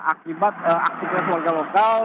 akibat aktivitas warga lokal